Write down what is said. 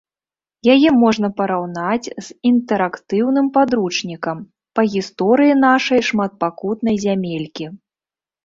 Яе можна параўнаць з інтэрактыўным падручнікам па гісторыі нашай шматпакутнай зямелькі.